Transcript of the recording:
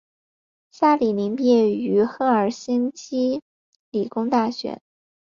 萨里宁毕业于赫尔辛基理工大学。